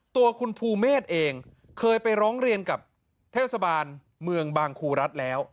ตัวคุณภูเมฆเองเคยไปร้องเรียนกับเทศบาลเมืองบางครูรัฐแล้ว